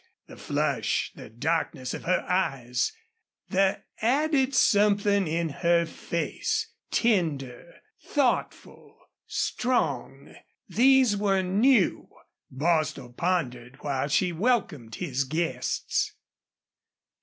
The flush, the darkness of her eyes, the added something in her face, tender, thoughtful, strong these were new. Bostil pondered while she welcomed his guests.